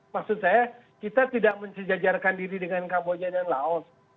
maksud saya kita tidak mensejajarkan diri dengan kamboja dan laos